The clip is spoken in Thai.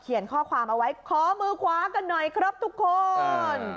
ข้อความเอาไว้ขอมือขวากันหน่อยครับทุกคน